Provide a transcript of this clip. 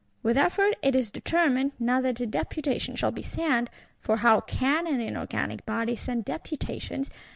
With effort, it is determined, not that a Deputation shall be sent,—for how can an inorganic body send deputations?